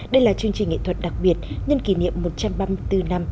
đây là chương trình nghệ thuật đặc biệt nhân kỷ niệm một trăm ba mươi bốn năm